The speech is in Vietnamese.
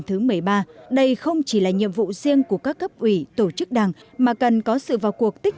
thứ một mươi ba đây không chỉ là nhiệm vụ riêng của các cấp ủy tổ chức đảng mà cần có sự vào cuộc tích